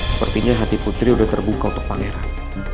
sepertinya hati putri sudah terbuka untuk pangeran